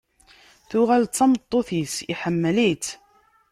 Tuɣal d tameṭṭut-is, iḥemmel-itt.